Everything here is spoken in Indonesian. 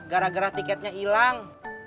gara gara tiketnya ilang